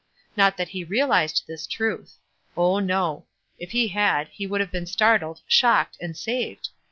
Not that he realized this truth. Oh, no. If he had, he would have been startled, shocked, and saved.